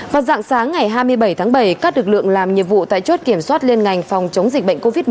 vào dạng sáng ngày hai mươi bảy tháng bảy các lực lượng làm nhiệm vụ tại chốt kiểm soát liên ngành phòng chống dịch bệnh covid một mươi chín